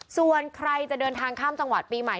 ส่วนใครจะเดินทางข้ามจังหวัดปีใหม่